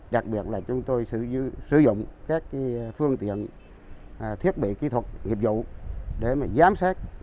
đặc biệt là chúng tôi sử dụng các phương tiện thiết bị kỹ thuật nghiệp vụ để giám sát